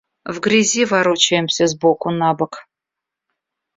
В грязи ворочаемся с боку на бок.